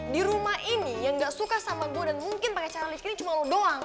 di rumah ini yang gak suka sama gue dan mungkin pakai cara lift ini cuma lo doang